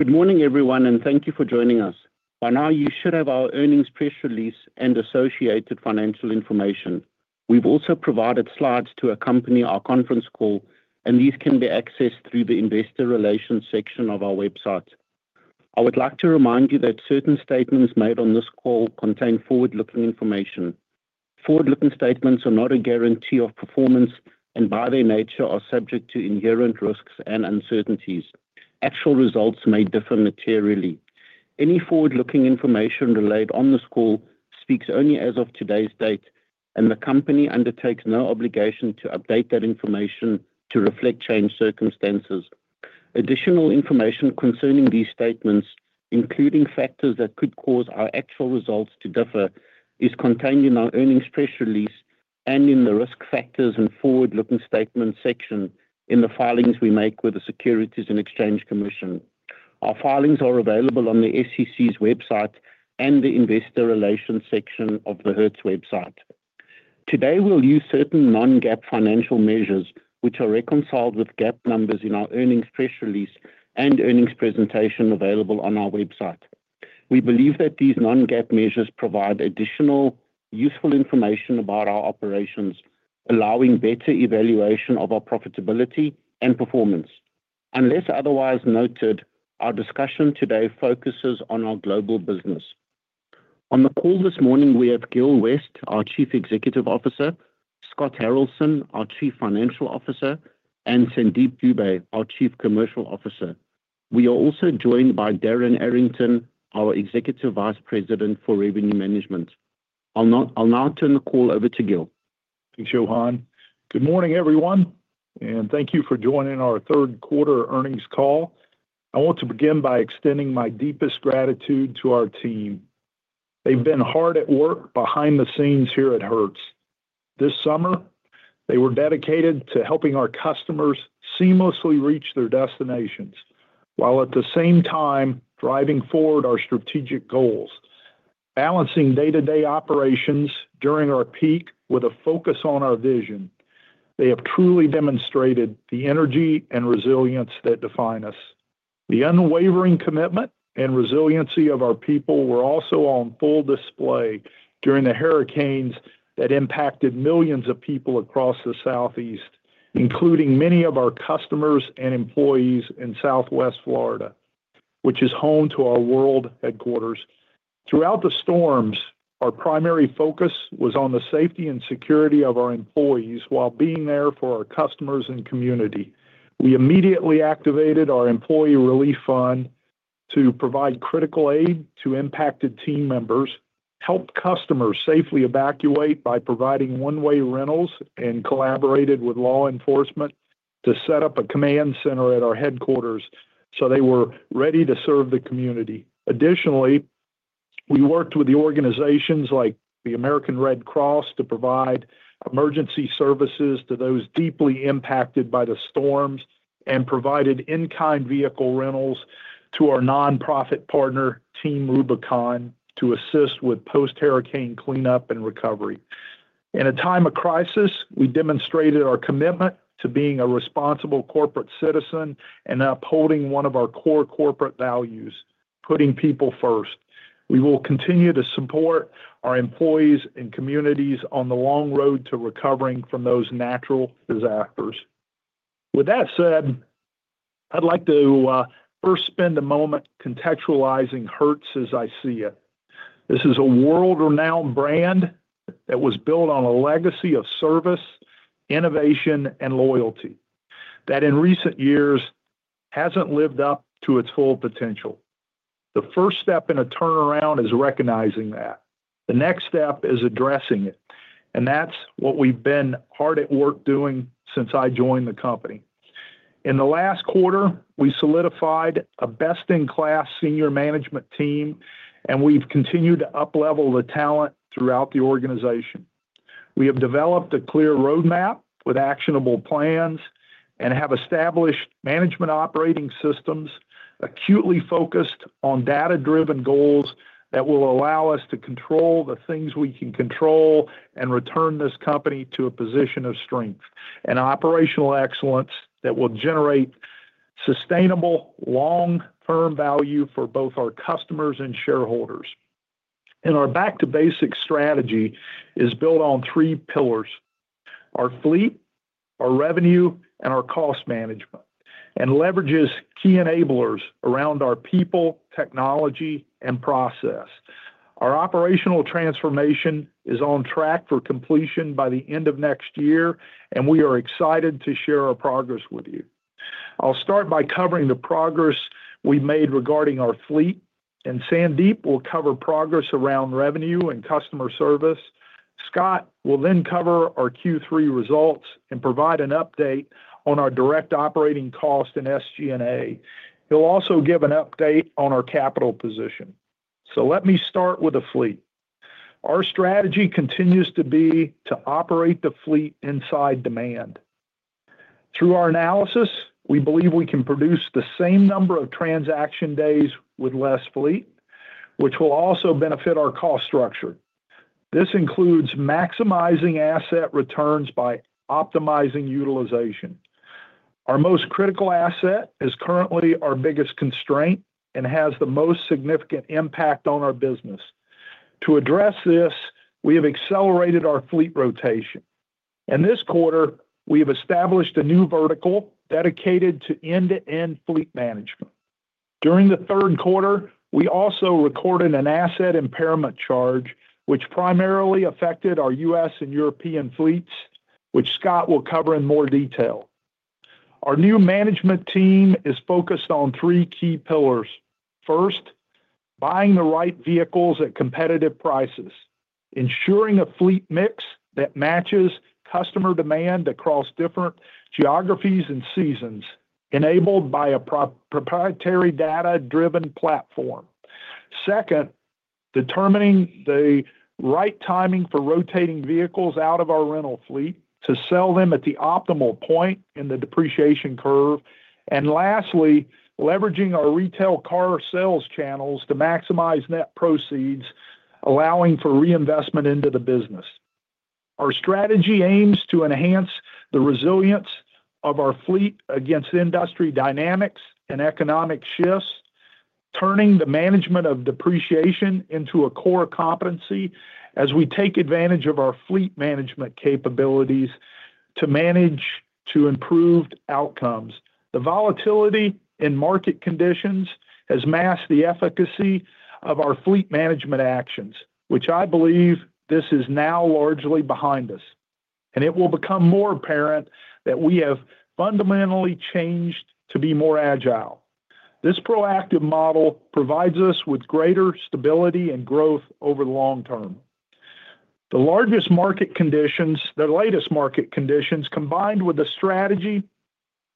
Good morning, everyone, and thank you for joining us. By now, you should have our earnings press release and associated financial information. We've also provided slides to accompany our conference call, and these can be accessed through the Investor Relations section of our website. I would like to remind you that certain statements made on this call contain forward-looking information. Forward-looking statements are not a guarantee of performance, and by their nature, are subject to inherent risks and uncertainties. Actual results may differ materially. Any forward-looking information relayed on this call speaks only as of today's date, and the company undertakes no obligation to update that information to reflect changed circumstances. Additional information concerning these statements, including factors that could cause our actual results to differ, is contained in our earnings press release and in the risk factors and forward-looking statements section in the filings we make with the Securities and Exchange Commission. Our filings are available on the SEC's website and the Investor Relations section of the Hertz website. Today, we'll use certain non-GAAP financial measures, which are reconciled with GAAP numbers in our earnings press release and earnings presentation available on our website. We believe that these non-GAAP measures provide additional useful information about our operations, allowing better evaluation of our profitability and performance. Unless otherwise noted, our discussion today focuses on our global business. On the call this morning, we have Gil West, our Chief Executive Officer, Scott Haralson, our Chief Financial Officer, and Sandeep Dube, our Chief Commercial Officer. We are also joined by Darren Arrington, our Executive Vice President for Revenue Management. I'll now turn the call over to Gil. Thanks, Johann. Good morning, everyone, and thank you for joining our third quarter earnings call. I want to begin by extending my deepest gratitude to our team. They've been hard at work behind the scenes here at Hertz. This summer, they were dedicated to helping our customers seamlessly reach their destinations while at the same time driving forward our strategic goals, balancing day-to-day operations during our peak with a focus on our vision. They have truly demonstrated the energy and resilience that define us. The unwavering commitment and resiliency of our people were also on full display during the hurricanes that impacted millions of people across the Southeast, including many of our customers and employees in Southwest Florida, which is home to our world headquarters. Throughout the storms, our primary focus was on the safety and security of our employees while being there for our customers and community. We immediately activated our Employee Relief Fund to provide critical aid to impacted team members, helped customers safely evacuate by providing one-way rentals, and collaborated with law enforcement to set up a command center at our headquarters so they were ready to serve the community. Additionally, we worked with organizations like the American Red Cross to provide emergency services to those deeply impacted by the storms and provided in-kind vehicle rentals to our nonprofit partner, Team Rubicon, to assist with post-hurricane cleanup and recovery. In a time of crisis, we demonstrated our commitment to being a responsible corporate citizen and upholding one of our core corporate values: putting people first. We will continue to support our employees and communities on the long road to recovering from those natural disasters. With that said, I'd like to first spend a moment contextualizing Hertz as I see it. This is a world-renowned brand that was built on a legacy of service, innovation, and loyalty that, in recent years, hasn't lived up to its full potential. The first step in a turnaround is recognizing that. The next step is addressing it, and that's what we've been hard at work doing since I joined the company. In the last quarter, we solidified a best-in-class senior management team, and we've continued to uplevel the talent throughout the organization. We have developed a clear roadmap with actionable plans and have established management operating systems acutely focused on data-driven goals that will allow us to control the things we can control and return this company to a position of strength and operational excellence that will generate sustainable, long-term value for both our customers and shareholders. Our back-to-basics strategy is built on three pillars: our fleet, our revenue, and our cost management, and leverages key enablers around our people, technology, and process. Our operational transformation is on track for completion by the end of next year, and we are excited to share our progress with you. I'll start by covering the progress we've made regarding our fleet, and Sandeep will cover progress around revenue and customer service. Scott will then cover our Q3 results and provide an update on our direct operating cost and SG&A. He'll also give an update on our capital position. Let me start with the fleet. Our strategy continues to be to operate the fleet inside demand. Through our analysis, we believe we can produce the same number of transaction days with less fleet, which will also benefit our cost structure. This includes maximizing asset returns by optimizing utilization. Our most critical asset is currently our biggest constraint and has the most significant impact on our business. To address this, we have accelerated our fleet rotation. In this quarter, we have established a new vertical dedicated to end-to-end fleet management. During the third quarter, we also recorded an asset impairment charge, which primarily affected our U.S. and European fleets, which Scott will cover in more detail. Our new management team is focused on three key pillars. First, buying the right vehicles at competitive prices, ensuring a fleet mix that matches customer demand across different geographies and seasons, enabled by a proprietary data-driven platform. Second, determining the right timing for rotating vehicles out of our rental fleet to sell them at the optimal point in the depreciation curve, and lastly, leveraging our retail car sales channels to maximize net proceeds, allowing for reinvestment into the business. Our strategy aims to enhance the resilience of our fleet against industry dynamics and economic shifts, turning the management of depreciation into a core competency as we take advantage of our fleet management capabilities to manage to improved outcomes. The volatility in market conditions has masked the efficacy of our fleet management actions, which I believe this is now largely behind us, and it will become more apparent that we have fundamentally changed to be more agile. This proactive model provides us with greater stability and growth over the long term. The largest market conditions, the latest market conditions, combined with the strategy,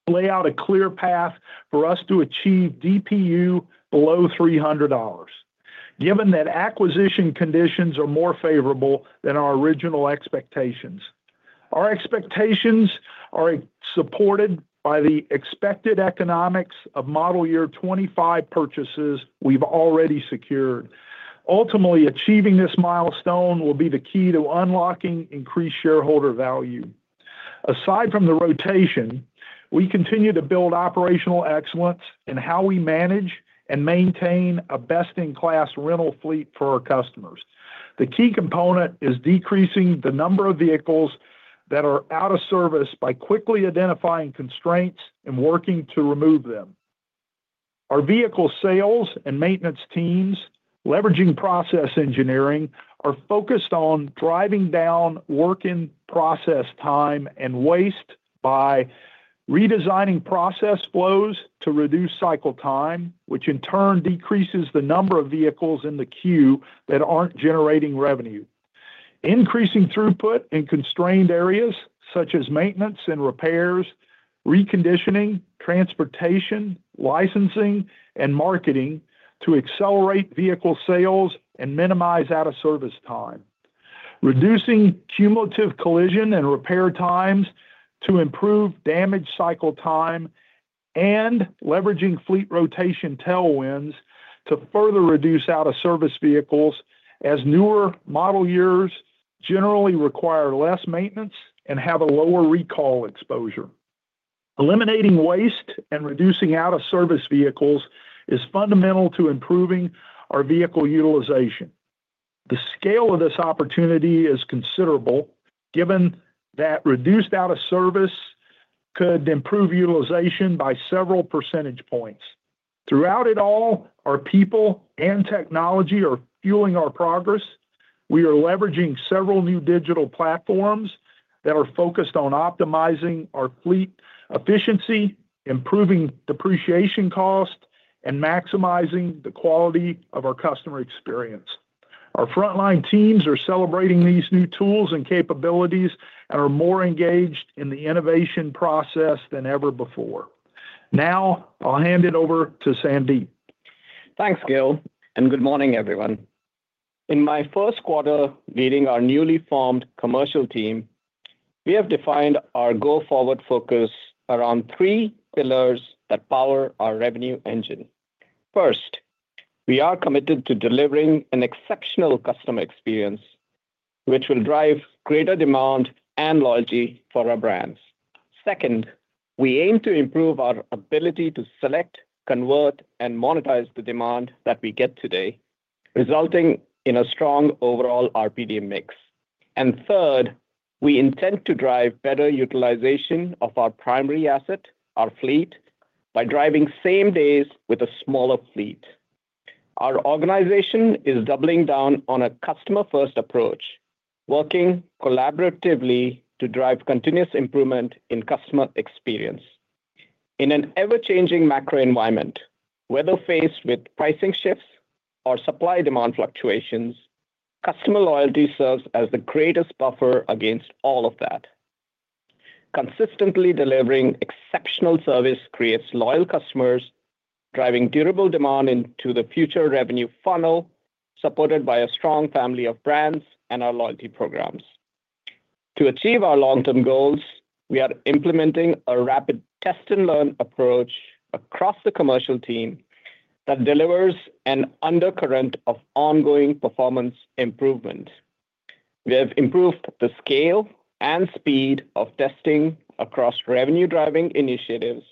lay out a clear path for us to achieve DPU below $300, given that acquisition conditions are more favorable than our original expectations. Our expectations are supported by the expected economics of model year 2025 purchases we've already secured. Ultimately, achieving this milestone will be the key to unlocking increased shareholder value. Aside from the rotation, we continue to build operational excellence in how we manage and maintain a best-in-class rental fleet for our customers. The key component is decreasing the number of vehicles that are out of service by quickly identifying constraints and working to remove them. Our vehicle sales and maintenance teams, leveraging process engineering, are focused on driving down work-in-process time and waste by redesigning process flows to reduce cycle time, which in turn decreases the number of vehicles in the queue that aren't generating revenue. Increasing throughput in constrained areas such as maintenance and repairs, reconditioning, transportation, licensing, and marketing to accelerate vehicle sales and minimize out-of-service time. Reducing cumulative collision and repair times to improve damage cycle time and leveraging fleet rotation tailwinds to further reduce out-of-service vehicles as newer model years generally require less maintenance and have a lower recall exposure. Eliminating waste and reducing out-of-service vehicles is fundamental to improving our vehicle utilization. The scale of this opportunity is considerable, given that reduced out-of-service could improve utilization by several percentage points. Throughout it all, our people and technology are fueling our progress. We are leveraging several new digital platforms that are focused on optimizing our fleet efficiency, improving depreciation cost, and maximizing the quality of our customer experience. Our frontline teams are celebrating these new tools and capabilities and are more engaged in the innovation process than ever before. Now, I'll hand it over to Sandeep. Thanks, Gil, and good morning, everyone. In my first quarter leading our newly formed commercial team, we have defined our go-forward focus around three pillars that power our revenue engine. First, we are committed to delivering an exceptional customer experience, which will drive greater demand and loyalty for our brands. Second, we aim to improve our ability to select, convert, and monetize the demand that we get today, resulting in a strong overall RPD mix. And third, we intend to drive better utilization of our primary asset, our fleet, by driving same days with a smaller fleet. Our organization is doubling down on a customer-first approach, working collaboratively to drive continuous improvement in customer experience. In an ever-changing macro environment, whether faced with pricing shifts or supply-demand fluctuations, customer loyalty serves as the greatest buffer against all of that. Consistently delivering exceptional service creates loyal customers, driving durable demand into the future revenue funnel, supported by a strong family of brands and our loyalty programs. To achieve our long-term goals, we are implementing a rapid test-and-learn approach across the commercial team that delivers an undercurrent of ongoing performance improvement. We have improved the scale and speed of testing across revenue-driving initiatives,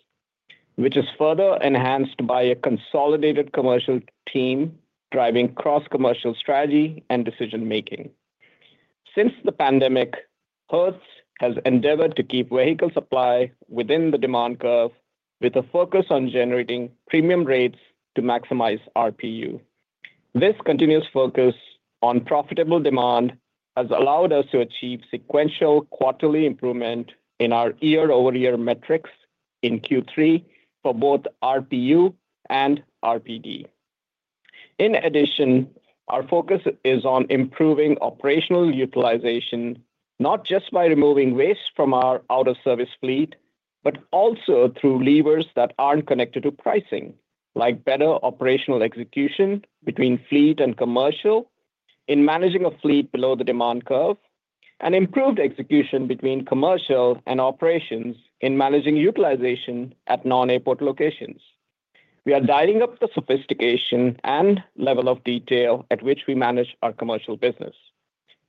which is further enhanced by a consolidated commercial team driving cross-commercial strategy and decision-making. Since the pandemic, Hertz has endeavored to keep vehicle supply within the demand curve with a focus on generating premium rates to maximize RPU. This continuous focus on profitable demand has allowed us to achieve sequential quarterly improvement in our year-over-year metrics in Q3 for both RPU and RPD. In addition, our focus is on improving operational utilization, not just by removing waste from our out-of-service fleet, but also through levers that aren't connected to pricing, like better operational execution between fleet and commercial in managing a fleet below the demand curve, and improved execution between commercial and operations in managing utilization at non-airport locations. We are dialing up the sophistication and level of detail at which we manage our commercial business.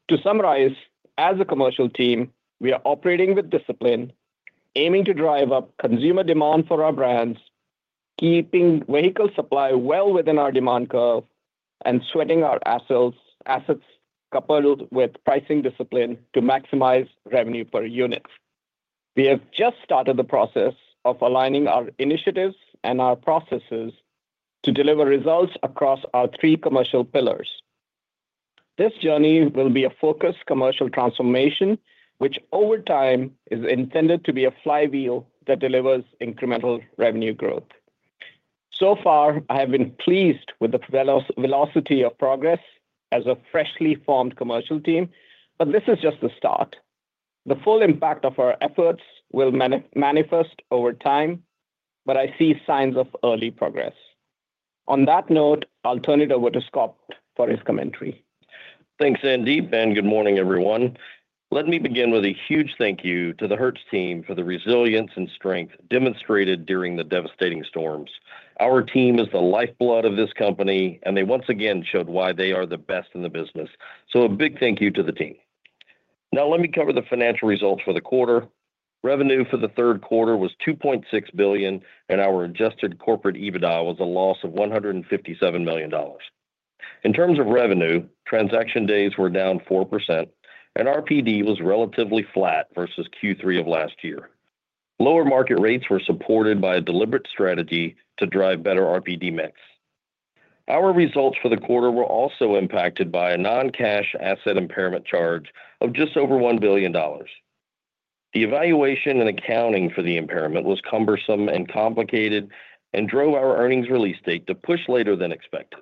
To summarize, as a commercial team, we are operating with discipline, aiming to drive up consumer demand for our brands, keeping vehicle supply well within our demand curve, and sweating our assets coupled with pricing discipline to maximize revenue per unit. We have just started the process of aligning our initiatives and our processes to deliver results across our three commercial pillars. This journey will be a focused commercial transformation, which over time is intended to be a flywheel that delivers incremental revenue growth. So far, I have been pleased with the velocity of progress as a freshly formed commercial team, but this is just the start. The full impact of our efforts will manifest over time, but I see signs of early progress. On that note, I'll turn it over to Scott for his commentary. Thanks, Sandeep, and good morning, everyone. Let me begin with a huge thank you to the Hertz team for the resilience and strength demonstrated during the devastating storms. Our team is the lifeblood of this company, and they once again showed why they are the best in the business. So a big thank you to the team. Now, let me cover the financial results for the quarter. Revenue for the third quarter was $2.6 billion, and our Adjusted Corporate EBITDA was a loss of $157 million. In terms of revenue, transaction days were down 4%, and RPD was relatively flat versus Q3 of last year. Lower market rates were supported by a deliberate strategy to drive better RPD mix. Our results for the quarter were also impacted by a non-cash asset impairment charge of just over $1 billion. The evaluation and accounting for the impairment was cumbersome and complicated and drove our earnings release date to push later than expected.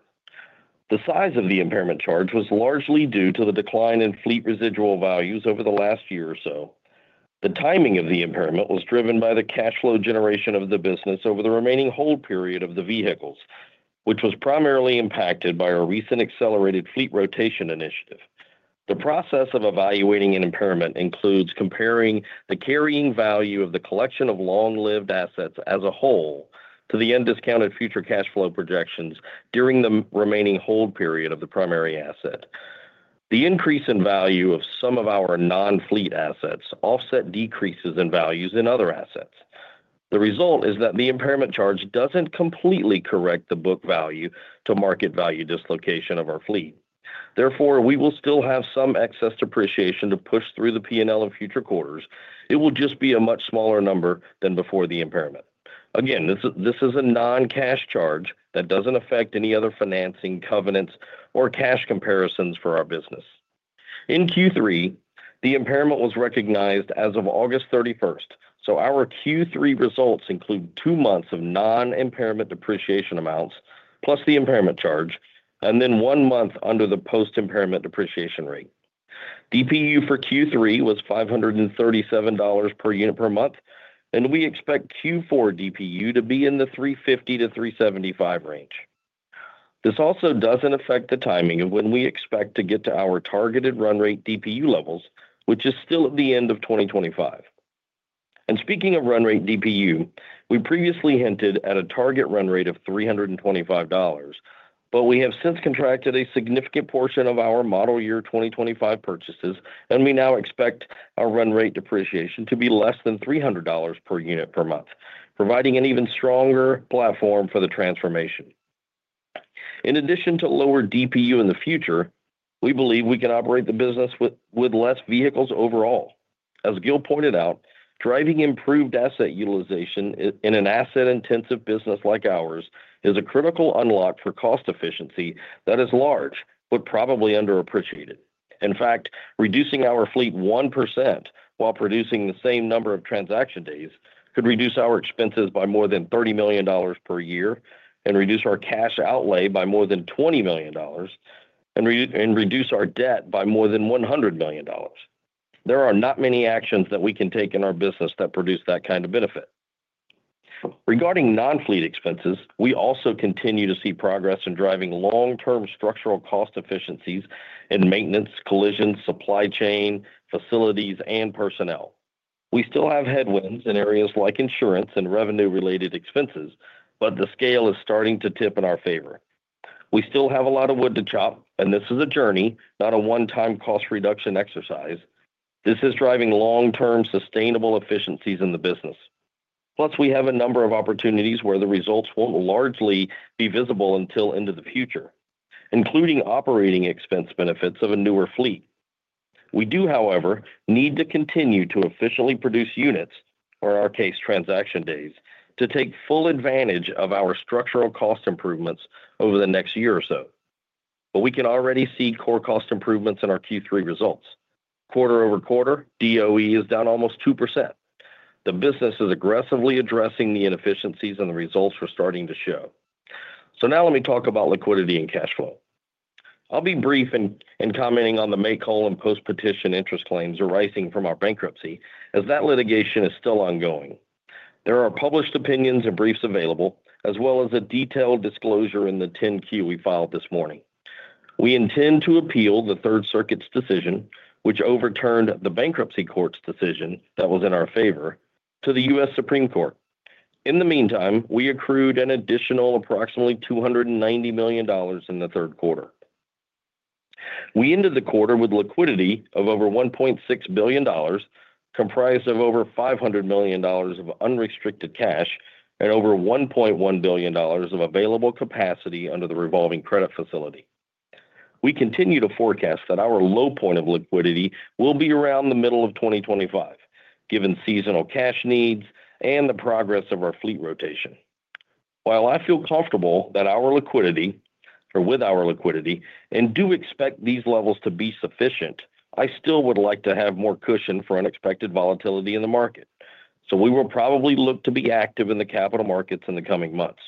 The size of the impairment charge was largely due to the decline in fleet residual values over the last year or so. The timing of the impairment was driven by the cash flow generation of the business over the remaining hold period of the vehicles, which was primarily impacted by our recent accelerated fleet rotation initiative. The process of evaluating an impairment includes comparing the carrying value of the collection of long-lived assets as a whole to the undiscounted future cash flow projections during the remaining hold period of the primary asset. The increase in value of some of our non-fleet assets offsets decreases in values in other assets. The result is that the impairment charge doesn't completely correct the book value to market value dislocation of our fleet. Therefore, we will still have some excess depreciation to push through the P&L of future quarters. It will just be a much smaller number than before the impairment. Again, this is a non-cash charge that doesn't affect any other financing covenants or cash comparisons for our business. In Q3, the impairment was recognized as of August 31st, so our Q3 results include two months of non-impairment depreciation amounts plus the impairment charge, and then one month under the post-impairment depreciation rate. DPU for Q3 was $537 per unit per month, and we expect Q4 DPU to be in the $350-$375 range. This also doesn't affect the timing of when we expect to get to our targeted run rate DPU levels, which is still at the end of 2025. And speaking of run rate DPU, we previously hinted at a target run rate of $325, but we have since contracted a significant portion of our model year 2025 purchases, and we now expect our run rate depreciation to be less than $300 per unit per month, providing an even stronger platform for the transformation. In addition to lower DPU in the future, we believe we can operate the business with less vehicles overall. As Gil pointed out, driving improved asset utilization in an asset-intensive business like ours is a critical unlock for cost efficiency that is large, but probably underappreciated. In fact, reducing our fleet 1% while producing the same number of transaction days could reduce our expenses by more than $30 million per year and reduce our cash outlay by more than $20 million and reduce our debt by more than $100 million. There are not many actions that we can take in our business that produce that kind of benefit. Regarding non-fleet expenses, we also continue to see progress in driving long-term structural cost efficiencies in maintenance, collision, supply chain, facilities, and personnel. We still have headwinds in areas like insurance and revenue-related expenses, but the scale is starting to tip in our favor. We still have a lot of wood to chop, and this is a journey, not a one-time cost reduction exercise. This is driving long-term sustainable efficiencies in the business. Plus, we have a number of opportunities where the results won't largely be visible until into the future, including operating expense benefits of a newer fleet. We do, however, need to continue to efficiently produce units, or in our case, transaction days, to take full advantage of our structural cost improvements over the next year or so. But we can already see core cost improvements in our Q3 results. Quarter over quarter, DOE is down almost 2%. The business is aggressively addressing the inefficiencies and the results we're starting to show. So now let me talk about liquidity and cash flow. I'll be brief in commenting on the Make-Whole and post-petition interest claims arising from our bankruptcy, as that litigation is still ongoing. There are published opinions and briefs available, as well as a detailed disclosure in the 10-Q we filed this morning. We intend to appeal the Third Circuit's decision, which overturned the bankruptcy court's decision that was in our favor, to the U.S. Supreme Court. In the meantime, we accrued an additional approximately $290 million in the third quarter. We ended the quarter with liquidity of over $1.6 billion, comprised of over $500 million of unrestricted cash and over $1.1 billion of available capacity under the revolving credit facility. We continue to forecast that our low point of liquidity will be around the middle of 2025, given seasonal cash needs and the progress of our fleet rotation. While I feel comfortable with our liquidity and do expect these levels to be sufficient, I still would like to have more cushion for unexpected volatility in the market. So we will probably look to be active in the capital markets in the coming months.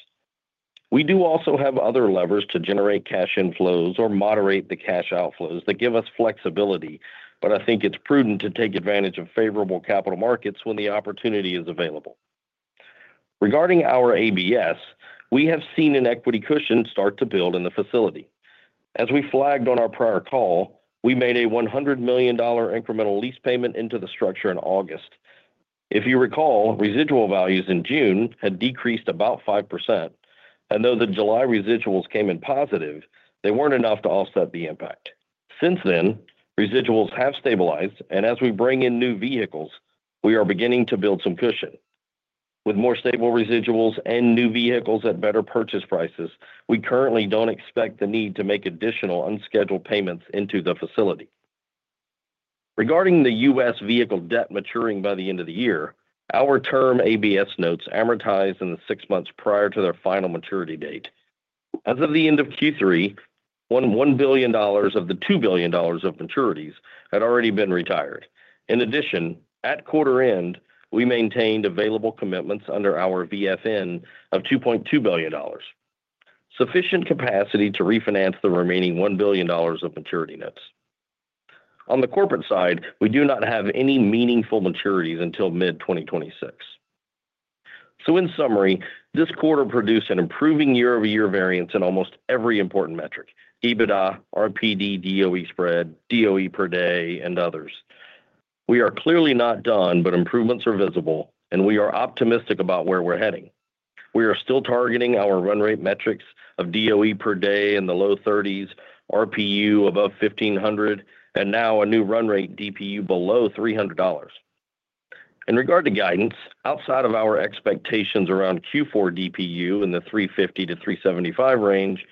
We do also have other levers to generate cash inflows or moderate the cash outflows that give us flexibility, but I think it's prudent to take advantage of favorable capital markets when the opportunity is available. Regarding our ABS, we have seen an equity cushion start to build in the facility. As we flagged on our prior call, we made a $100 million incremental lease payment into the structure in August. If you recall, residual values in June had decreased about 5%, and though the July residuals came in positive, they weren't enough to offset the impact. Since then, residuals have stabilized, and as we bring in new vehicles, we are beginning to build some cushion. With more stable residuals and new vehicles at better purchase prices, we currently don't expect the need to make additional unscheduled payments into the facility. Regarding the U.S. vehicle debt maturing by the end of the year, our term ABS notes amortized in the six months prior to their final maturity date. As of the end of Q3, $1 billion of the $2 billion of maturities had already been retired. In addition, at quarter end, we maintained available commitments under our VFN of $2.2 billion, sufficient capacity to refinance the remaining $1 billion of maturity notes. On the corporate side, we do not have any meaningful maturities until mid-2026. So in summary, this quarter produced an improving year-over-year variance in almost every important metric: EBITDA, RPD, DOE spread, DOE per day, and others. We are clearly not done, but improvements are visible, and we are optimistic about where we're heading. We are still targeting our run rate metrics of DOE per day in the low 30s, RPU above 1,500, and now a new run rate DPU below $300. In regard to guidance, outside of our expectations around Q4 DPU in the $350-$375 range,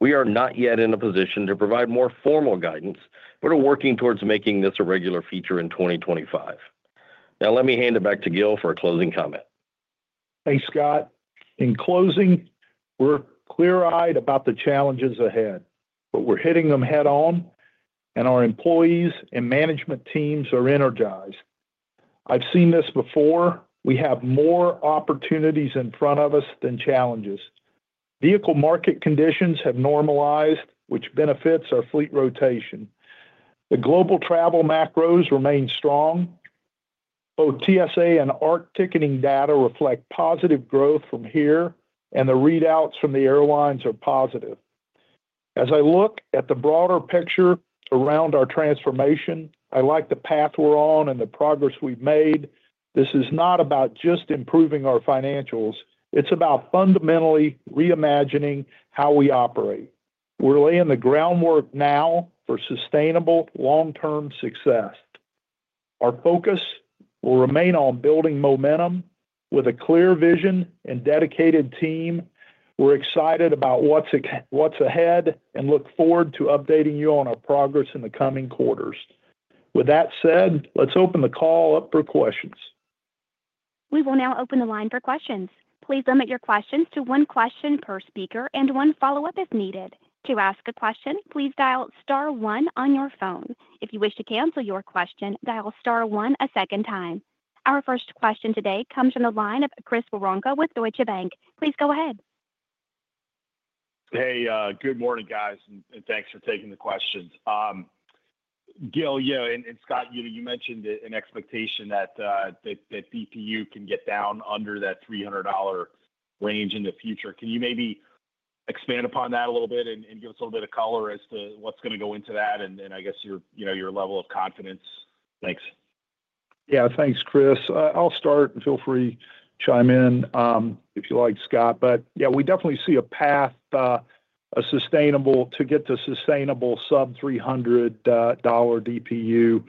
we are not yet in a position to provide more formal guidance, but are working towards making this a regular feature in 2025. Now, let me hand it back to Gil for a closing comment. Thanks, Scott. In closing, we're clear-eyed about the challenges ahead, but we're hitting them head-on, and our employees and management teams are energized. I've seen this before. We have more opportunities in front of us than challenges. Vehicle market conditions have normalized, which benefits our fleet rotation. The global travel macros remain strong. Both TSA and ARC ticketing data reflect positive growth from here, and the readouts from the airlines are positive. As I look at the broader picture around our transformation, I like the path we're on and the progress we've made. This is not about just improving our financials. It's about fundamentally reimagining how we operate. We're laying the groundwork now for sustainable long-term success. Our focus will remain on building momentum with a clear vision and dedicated team. We're excited about what's ahead and look forward to updating you on our progress in the coming quarters. With that said, let's open the call up for questions. We will now open the line for questions. Please limit your questions to one question per speaker and one follow-up if needed. To ask a question, please dial star one on your phone. If you wish to cancel your question, dial star one a second time. Our first question today comes from the line of Chris Woronka with Deutsche Bank. Please go ahead. Hey, good morning, guys, and thanks for taking the questions. Gil, you know, and Scott, you mentioned an expectation that DPU can get down under that $300 range in the future. Can you maybe expand upon that a little bit and give us a little bit of color as to what's going to go into that and, I guess, your level of confidence? Thanks. Yeah, thanks, Chris. I'll start and feel free to chime in if you like, Scott. But yeah, we definitely see a path to get to sustainable sub-$300 DPU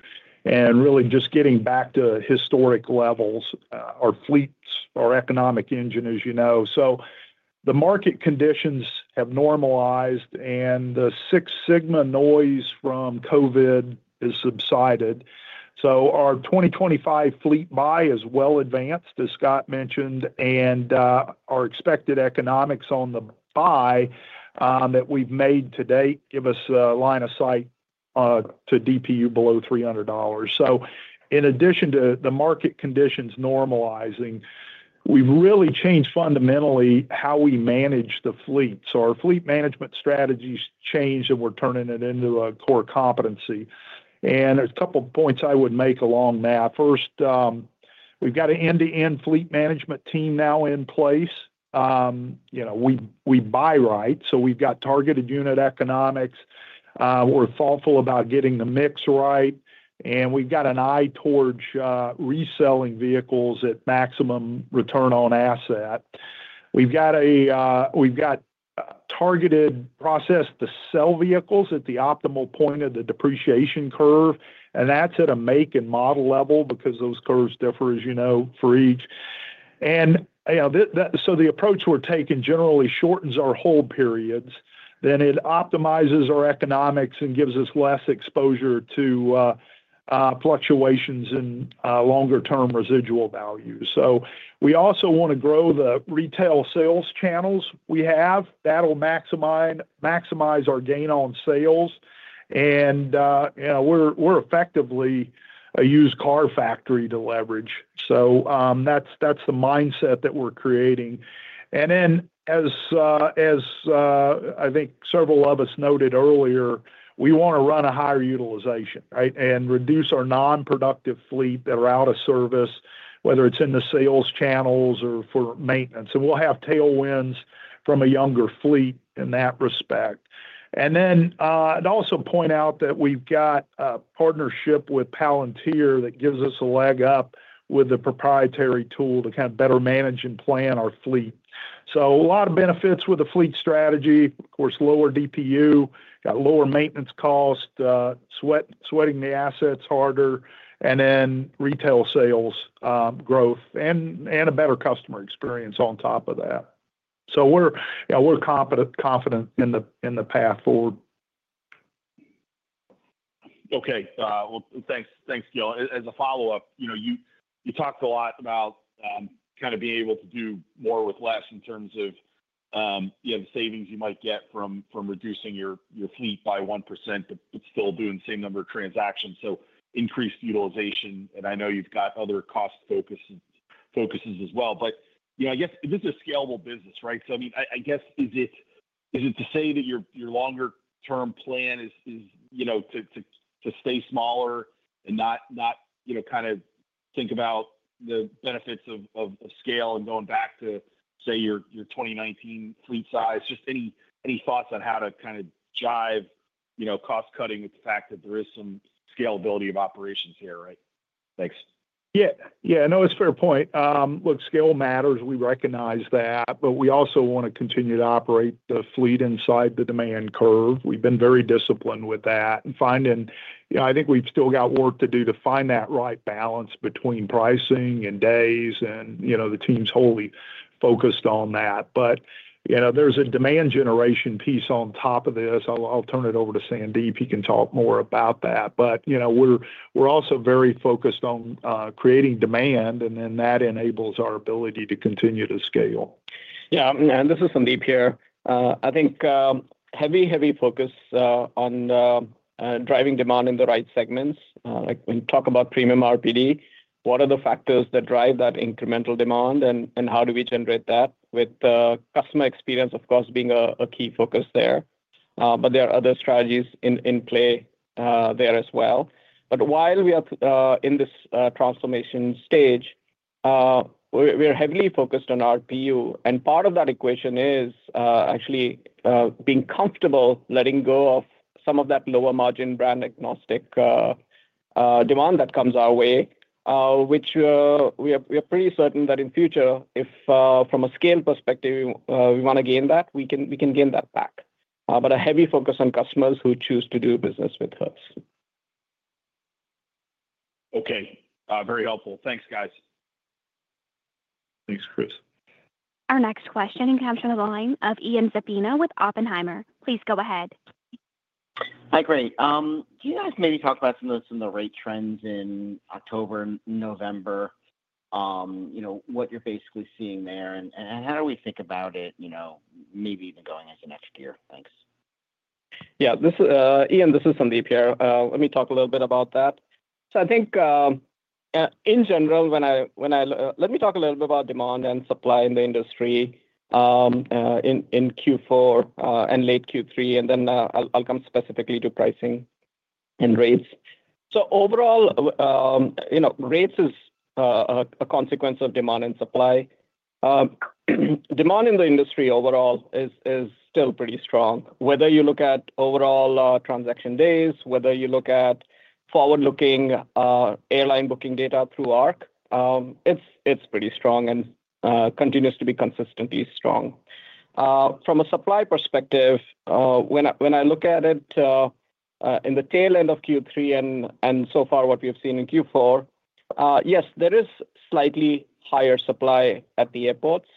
and really just getting back to historic levels, our fleets, our economic engine, as you know. So the market conditions have normalized, and the six sigma noise from COVID has subsided. So our 2025 fleet buy is well advanced, as Scott mentioned, and our expected economics on the buy that we've made to date give us a line of sight to DPU below $300. So in addition to the market conditions normalizing, we've really changed fundamentally how we manage the fleet. So our fleet management strategies changed, and we're turning it into a core competency. And there's a couple of points I would make along that. First, we've got an end-to-end fleet management team now in place. You know, we buy right, so we've got targeted unit economics. We're thoughtful about getting the mix right, and we've got an eye towards reselling vehicles at maximum return on asset. We've got a targeted process to sell vehicles at the optimal point of the depreciation curve, and that's at a make and model level because those curves differ, as you know, for each. And so the approach we're taking generally shortens our hold periods, then it optimizes our economics and gives us less exposure to fluctuations in longer-term residual values. So we also want to grow the retail sales channels we have. That'll maximize our gain on sales. And we're effectively a used car factory to leverage. So that's the mindset that we're creating. And then, as I think several of us noted earlier, we want to run a higher utilization, right, and reduce our non-productive fleet that are out of service, whether it's in the sales channels or for maintenance. And we'll have tailwinds from a younger fleet in that respect. And then I'd also point out that we've got a partnership with Palantir that gives us a leg up with the proprietary tool to kind of better manage and plan our fleet. So a lot of benefits with the fleet strategy, of course, lower DPU, got lower maintenance cost, sweating the assets harder, and then retail sales growth and a better customer experience on top of that. So we're confident in the path forward. Okay. Well, thanks, Gil. As a follow-up, you talked a lot about kind of being able to do more with less in terms of the savings you might get from reducing your fleet by 1% but still doing the same number of transactions. So increased utilization, and I know you've got other cost focuses as well. But I guess this is a scalable business, right? So I mean, I guess, is it to say that your longer-term plan is to stay smaller and not kind of think about the benefits of scale and going back to, say, your 2019 fleet size? Just any thoughts on how to kind of jive cost cutting with the fact that there is some scalability of operations here, right? Thanks. Yeah. Yeah. No, it's a fair point. Look, scale matters. We recognize that, but we also want to continue to operate the fleet inside the demand curve. We've been very disciplined with that, and I think we've still got work to do to find that right balance between pricing and days, and the team's wholly focused on that, but there's a demand generation piece on top of this. I'll turn it over to Sandeep. He can talk more about that, but we're also very focused on creating demand, and then that enables our ability to continue to scale. Yeah. And this is Sandeep here. I think heavy, heavy focus on driving demand in the right segments. When we talk about premium RPD, what are the factors that drive that incremental demand, and how do we generate that with customer experience, of course, being a key focus there? But there are other strategies in play there as well. But while we are in this transformation stage, we're heavily focused on RPU. And part of that equation is actually being comfortable letting go of some of that lower margin brand agnostic demand that comes our way, which we are pretty certain that in future, if from a scale perspective, we want to gain that, we can gain that back. But a heavy focus on customers who choose to do business with us. Okay. Very helpful. Thanks, guys. Thanks, Chris. Our next question comes from the line of Ian Zaffino with Oppenheimer. Please go ahead. Hi, Craig. Do you guys maybe talk about some of this in the rate trends in October and November, what you're basically seeing there, and how do we think about it maybe even going into next year? Thanks. Yeah. Ian, this is Sandeep here. Let me talk a little bit about that. So I think, in general, when I talk a little bit about demand and supply in the industry in Q4 and late Q3, and then I'll come specifically to pricing and rates. So overall, rates is a consequence of demand and supply. Demand in the industry overall is still pretty strong. Whether you look at overall transaction days, whether you look at forward-looking airline booking data through ARC, it's pretty strong and continues to be consistently strong. From a supply perspective, when I look at it in the tail end of Q3 and so far what we have seen in Q4, yes, there is slightly higher supply at the airports,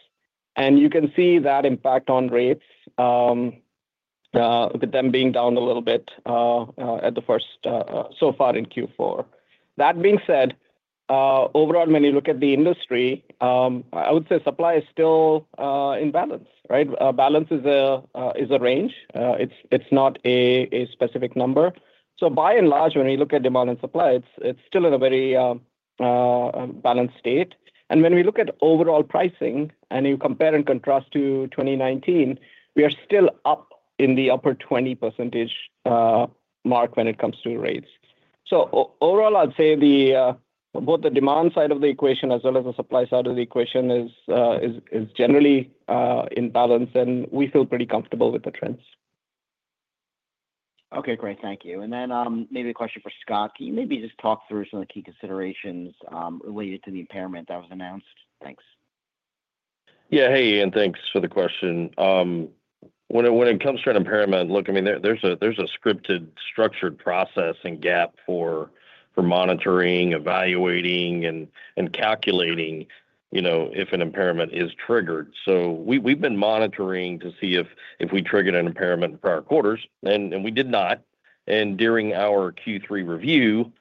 and you can see that impact on rates, with them being down a little bit at least so far in Q4. That being said, overall, when you look at the industry, I would say supply is still in balance, right? Balance is a range. It's not a specific number. So by and large, when we look at demand and supply, it's still in a very balanced state. And when we look at overall pricing and you compare and contrast to 2019, we are still up in the upper 20% mark when it comes to rates. So overall, I'd say both the demand side of the equation as well as the supply side of the equation is generally in balance, and we feel pretty comfortable with the trends. Okay. Great. Thank you. And then maybe a question for Scott. Can you maybe just talk through some of the key considerations related to the impairment that was announced? Thanks. Yeah. Hey, Ian. Thanks for the question. When it comes to an impairment, look, I mean, there's a scripted, structured process and GAAP for monitoring, evaluating, and calculating if an impairment is triggered. So we've been monitoring to see if we triggered an impairment in prior quarters, and we did not. And during our Q3 review,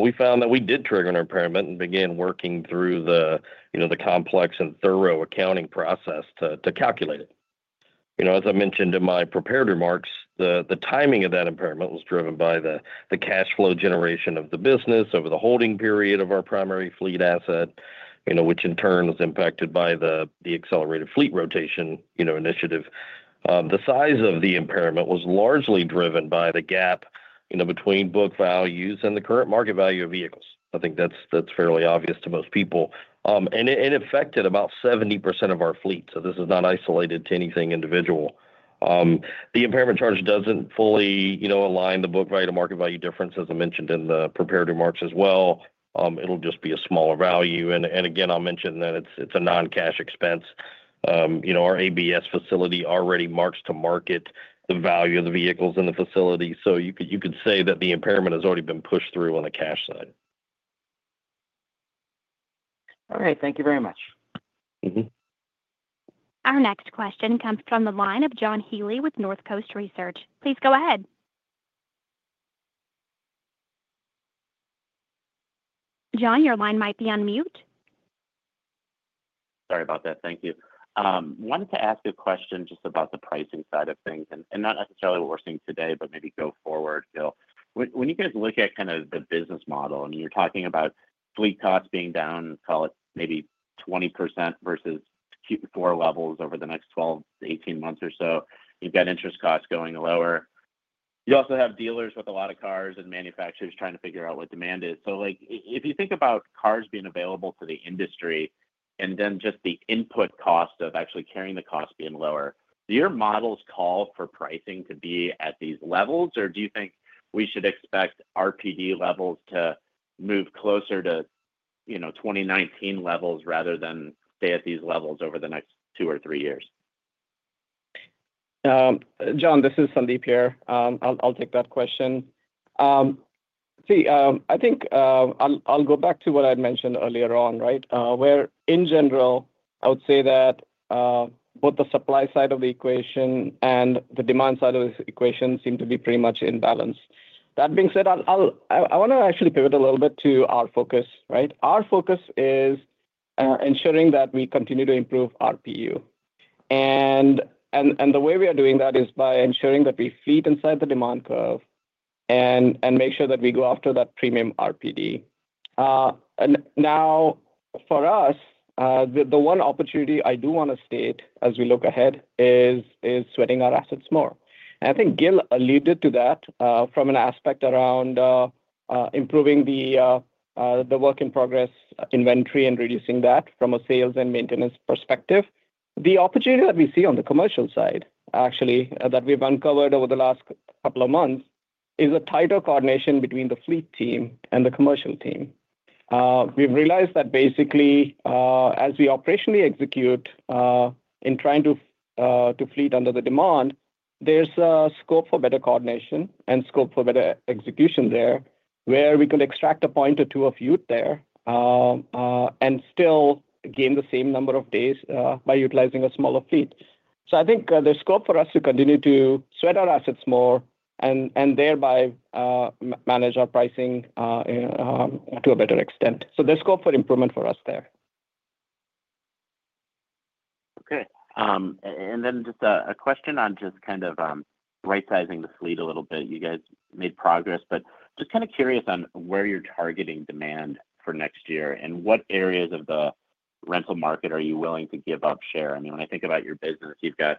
we found that we did trigger an impairment and began working through the complex and thorough accounting process to calculate it. As I mentioned in my prepared remarks, the timing of that impairment was driven by the cash flow generation of the business over the holding period of our primary fleet asset, which in turn was impacted by the accelerated fleet rotation initiative. The size of the impairment was largely driven by the gap between book values and the current market value of vehicles. I think that's fairly obvious to most people. And it affected about 70% of our fleet, so this is not isolated to anything individual. The impairment charge doesn't fully align the book value to market value difference, as I mentioned in the prepared remarks as well. It'll just be a smaller value. And again, I'll mention that it's a non-cash expense. Our ABS facility already marks to market the value of the vehicles in the facility. So you could say that the impairment has already been pushed through on the cash side. All right. Thank you very much. Our next question comes from the line of John Healy with North Coast Research. Please go ahead. John, your line might be on mute. Sorry about that. Thank you. Wanted to ask a question just about the pricing side of things, and not necessarily what we're seeing today, but maybe go forward, Gil. When you guys look at kind of the business model, and you're talking about fleet costs being down, call it maybe 20% versus Q4 levels over the next 12-18 months or so, you've got interest costs going lower. You also have dealers with a lot of cars and manufacturers trying to figure out what demand is. So if you think about cars being available to the industry and then just the input cost of actually carrying the cost being lower, do your models call for pricing to be at these levels, or do you think we should expect RPD levels to move closer to 2019 levels rather than stay at these levels over the next two or three years? John, this is Sandeep here. I'll take that question. See, I think I'll go back to what I had mentioned earlier on, right, where, in general, I would say that both the supply side of the equation and the demand side of the equation seem to be pretty much in balance. That being said, I want to actually pivot a little bit to our focus, right? Our focus is ensuring that we continue to improve RPU. And the way we are doing that is by ensuring that we fleet inside the demand curve and make sure that we go after that premium RPD. Now, for us, the one opportunity I do want to state as we look ahead is sweating our assets more. And I think Gil alluded to that from an aspect around improving the work in progress inventory and reducing that from a sales and maintenance perspective. The opportunity that we see on the commercial side, actually, that we've uncovered over the last couple of months is a tighter coordination between the fleet team and the commercial team. We've realized that basically, as we operationally execute in trying to fleet to the demand, there's scope for better coordination and scope for better execution there where we could extract a point or two of utilization there and still gain the same number of days by utilizing a smaller fleet. So I think there's scope for us to continue to sweat our assets more and thereby manage our pricing to a better extent. So there's scope for improvement for us there. Okay. And then just a question on just kind of right-sizing the fleet a little bit. You guys made progress, but just kind of curious on where you're targeting demand for next year and what areas of the rental market are you willing to give up share? I mean, when I think about your business, you've got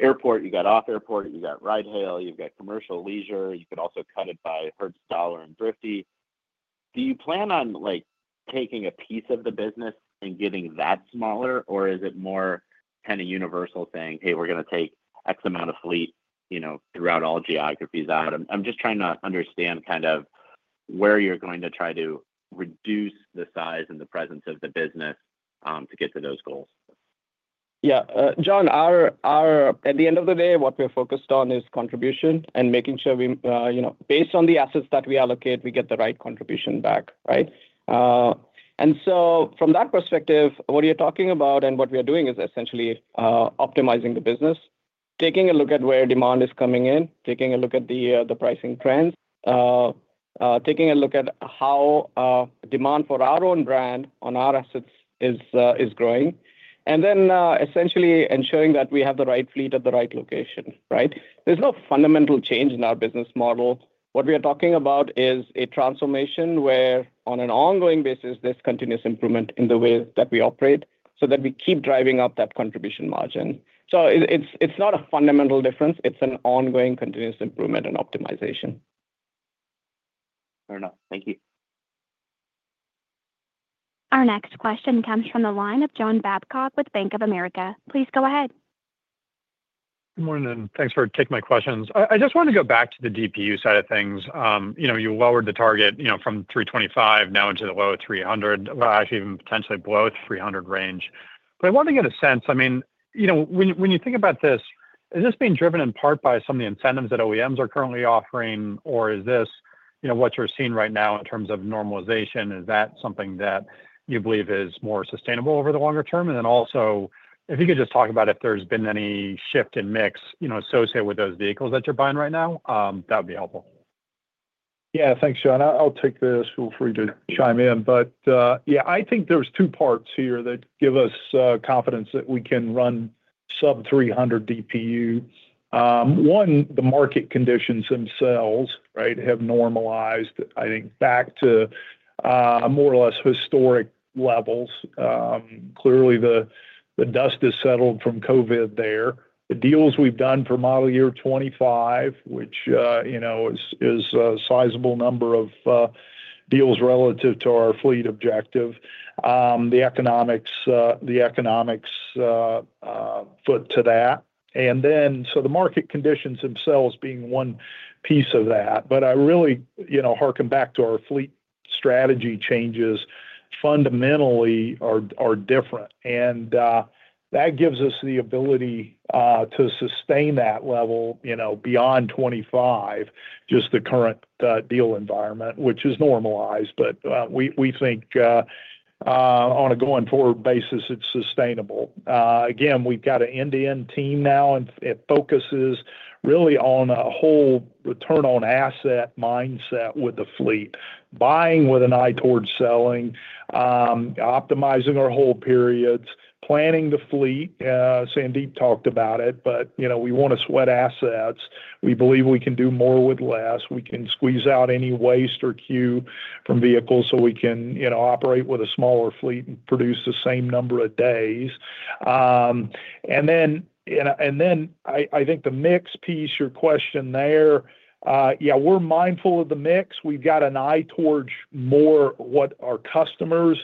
airport, you've got off-airport, you've got ride-hail, you've got commercial leisure. You could also cut it by Hertz, Dollar, and Thrifty. Do you plan on taking a piece of the business and getting that smaller, or is it more kind of universal saying, "Hey, we're going to take X amount of fleet throughout all geographies out"? I'm just trying to understand kind of where you're going to try to reduce the size and the presence of the business to get to those goals. Yeah. John, at the end of the day, what we're focused on is contribution and making sure based on the assets that we allocate, we get the right contribution back, right? And so from that perspective, what you're talking about and what we are doing is essentially optimizing the business, taking a look at where demand is coming in, taking a look at the pricing trends, taking a look at how demand for our own brand on our assets is growing, and then essentially ensuring that we have the right fleet at the right location, right? There's no fundamental change in our business model. What we are talking about is a transformation where, on an ongoing basis, there's continuous improvement in the way that we operate so that we keep driving up that contribution margin. So it's not a fundamental difference. It's an ongoing continuous improvement and optimization. Fair enough. Thank you. Our next question comes from the line of John Babcock with Bank of America. Please go ahead. Good morning, and thanks for taking my questions. I just wanted to go back to the DPU side of things. You lowered the target from 325 now into the low 300, actually even potentially below the 300 range. But I wanted to get a sense, I mean, when you think about this, is this being driven in part by some of the incentives that OEMs are currently offering, or is this what you're seeing right now in terms of normalization? Is that something that you believe is more sustainable over the longer term? And then also, if you could just talk about if there's been any shift in mix associated with those vehicles that you're buying right now, that would be helpful. Yeah. Thanks, John. I'll take this. Feel free to chime in. But yeah, I think there's two parts here that give us confidence that we can run sub-300 DPU. One, the market conditions themselves, right, have normalized, I think, back to more or less historic levels. Clearly, the dust has settled from COVID there. The deals we've done for model year 2025, which is a sizable number of deals relative to our fleet objective, the economics fit to that. And then so the market conditions themselves being one piece of that. But I really harken back to our fleet strategy changes fundamentally are different. And that gives us the ability to sustain that level beyond 2025, just the current deal environment, which is normalized. But we think on a going forward basis, it's sustainable. Again, we've got an end-to-end team now, and it focuses really on a whole return on asset mindset with the fleet, buying with an eye towards selling, optimizing our hold periods, planning the fleet. Sandeep talked about it, but we want to sweat assets. We believe we can do more with less. We can squeeze out any waste or queue from vehicles so we can operate with a smaller fleet and produce the same number of days, and then I think the mix piece, your question there, yeah, we're mindful of the mix. We've got an eye towards more what our customers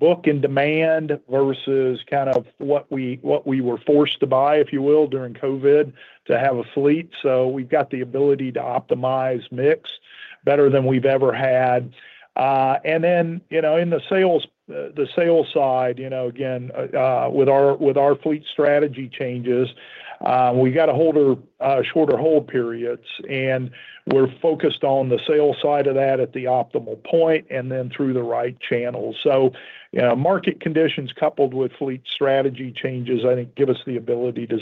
book and demand versus kind of what we were forced to buy, if you will, during COVID to have a fleet, so we've got the ability to optimize mix better than we've ever had. And then in the sales side, again, with our fleet strategy changes, we've got shorter hold periods, and we're focused on the sales side of that at the optimal point and then through the right channels. So market conditions coupled with fleet strategy changes, I think, give us the ability to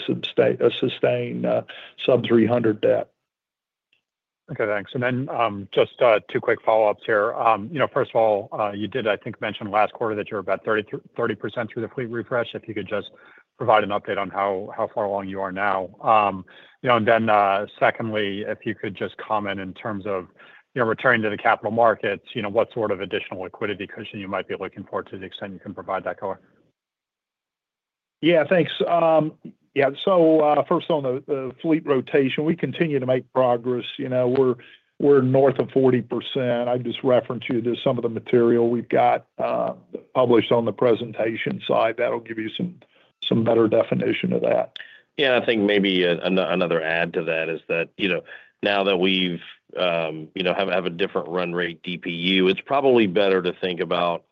sustain sub-300 DPU. Okay. Thanks. And then just two quick follow-ups here. First of all, you did, I think, mention last quarter that you're about 30% through the fleet refresh. If you could just provide an update on how far along you are now. And then secondly, if you could just comment in terms of returning to the capital markets, what sort of additional liquidity cushion you might be looking for to the extent you can provide that, go ahead. Yeah. Thanks. Yeah. So first on the fleet rotation, we continue to make progress. We're north of 40%. I just referenced you to some of the material we've got published on the presentation side. That'll give you some better definition of that. Yeah. And I think maybe another add to that is that now that we have a different run rate DPU, it's probably better to think about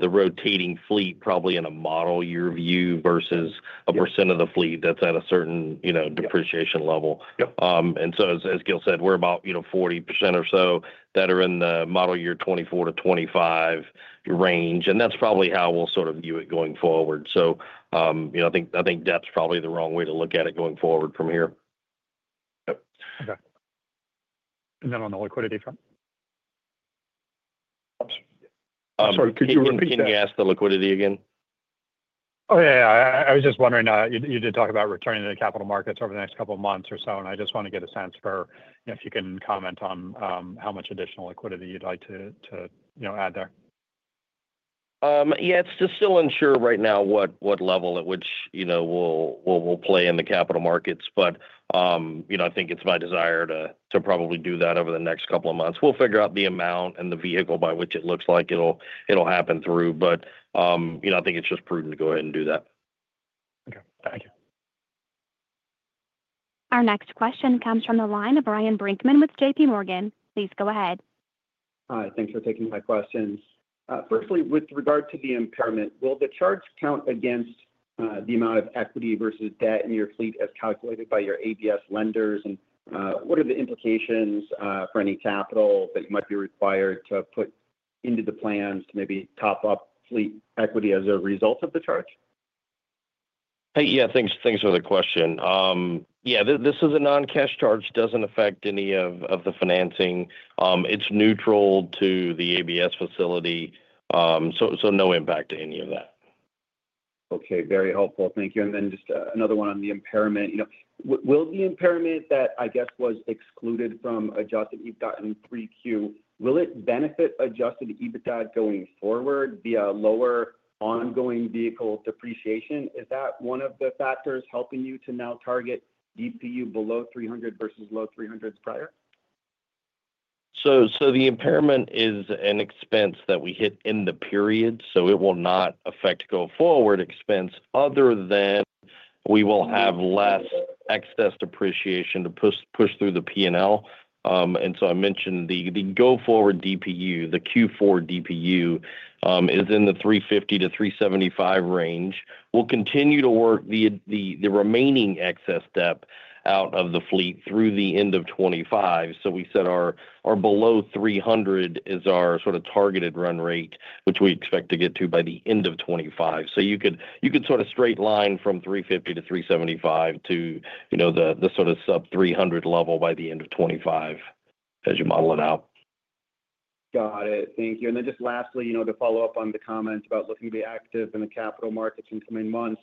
the rotating fleet probably in a model year view versus a percent of the fleet that's at a certain depreciation level. And so as Gil said, we're about 40% or so that are in the model year 2024 to 2025 range. And that's probably how we'll sort of view it going forward. So I think DPU's probably the wrong way to look at it going forward from here. Okay. And then on the liquidity front? I'm sorry. Could you repeat that? You're asking the liquidity again? Oh, yeah, yeah. I was just wondering, you did talk about returning to the capital markets over the next couple of months or so, and I just want to get a sense for if you can comment on how much additional liquidity you'd like to add there. Yeah. It's just still unsure right now what level at which we'll play in the capital markets. But I think it's my desire to probably do that over the next couple of months. We'll figure out the amount and the vehicle by which it looks like it'll happen through. But I think it's just prudent to go ahead and do that. Okay. Thank you. Our next question comes from the line of Ryan Brinkman with JP Morgan. Please go ahead. Hi. Thanks for taking my question. Firstly, with regard to the impairment, will the charge count against the amount of equity versus debt in your fleet as calculated by your ABS lenders? And what are the implications for any capital that might be required to put into the plans to maybe top up fleet equity as a result of the charge? Yeah. Thanks for the question. Yeah. This is a non-cash charge. It doesn't affect any of the financing. It's neutral to the ABS facility. So no impact to any of that. Okay. Very helpful. Thank you. And then just another one on the impairment. Will the impairment that I guess was excluded from adjusted EBITDA in 3Q, will it benefit adjusted EBITDA going forward via lower ongoing vehicle depreciation? Is that one of the factors helping you to now target DPU below 300 versus low 300s prior? The impairment is an expense that we hit in the period. It will not affect go forward expense other than we will have less excess depreciation to push through the P&L. I mentioned the go forward DPU. The Q4 DPU is in the $350-$375 range. We'll continue to work the remaining excess depreciation out of the fleet through the end of 2025. We said our below $300 is our sort of targeted run rate, which we expect to get to by the end of 2025. You could sort of straight line from $350-$375 to the sort of sub-$300 level by the end of 2025 as you model it out. Got it. Thank you. And then just lastly, to follow up on the comments about looking to be active in the capital markets in coming months